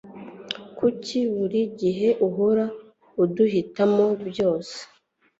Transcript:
Kuki buri gihe uhora uduhitamo byose?